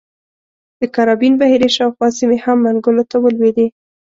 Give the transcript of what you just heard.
د کارابین بحیرې شاوخوا سیمې هم منګولو ته ولوېدې.